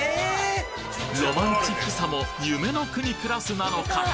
ロマンチックさも夢の国クラスなのか？